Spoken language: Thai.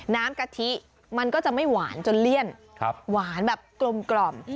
กะทิมันก็จะไม่หวานจนเลี่ยนหวานแบบกลม